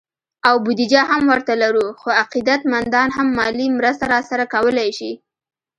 او بودیجه هم ورته لرو، خو عقیدت مندان هم مالي مرسته راسره کولی شي